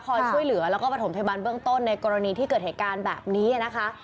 คลอยซ่วยเหลือแล้วก็ปฐพเบื้องต้นในกรณีที่เกิดเหตุการณ์แบบนี้นะคะ